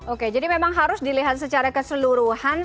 oke jadi memang harus dilihat secara keseluruhan